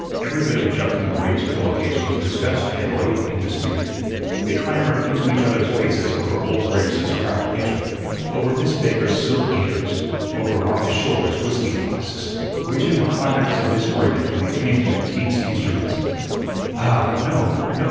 Every bit of junk in Maria's pillow case was discussed and weighed and disputed. They clamored into each other's faces over Old Grannis's cracked pitcher, over Miss Baker's silk gaiters, over Marcus Schouler's whiskey flasks, reaching the climax of disagreement when it came to McTeague's instruments. "Ah, no, no!"